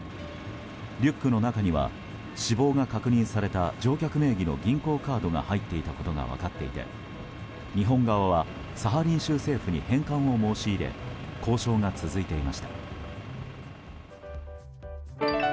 リュックの中には死亡が確認された乗客名義の銀行カードが入っていたことが分かっていて日本側は、サハリン州政府に返還を申し入れ交渉が続いていました。